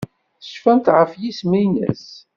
Tecfamt ɣef yisem-nnes?